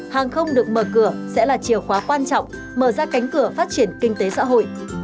hàng không được mở cửa sẽ là chiều khóa quan trọng mở ra cánh cửa phát triển kinh tế xã hội